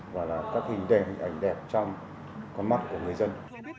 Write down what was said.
và là các hình ảnh đẹp trong con mắt của người dân